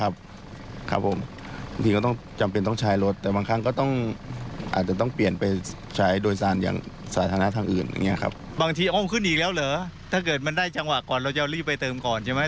บางส่วนก็เตรียมคำนวณต้นทุนการประกอบอาชีพเพิ่มกันด้วย